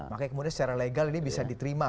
makanya kemudian secara legal ini bisa diterima